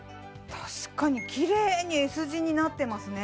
確かにキレイにＳ字になってますね